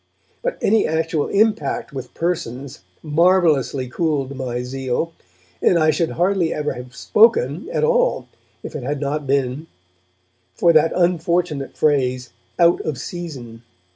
But any actual impact with persons marvelously cooled my zeal, and I should hardly ever have 'spoken' at all if it had not been for that unfortunate phrase 'out of season'.